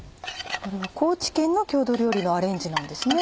これは高知県の郷土料理のアレンジなんですね？